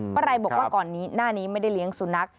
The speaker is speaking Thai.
ไรบอกว่าก่อนหน้านี้ไม่ได้เลี้ยงสุนัข